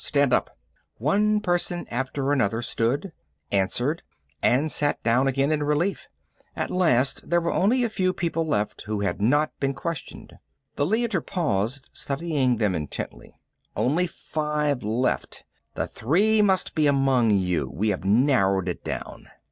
Stand up!" One person after another stood, answered, and sat down again in relief. At last there were only a few people left who had not been questioned. The Leiter paused, studying them intently. "Only five left. The three must be among you. We have narrowed it down."